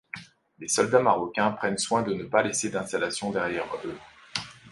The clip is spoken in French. Les soldats marocains prennent soin de ne pas laisser d'installations derrière eux.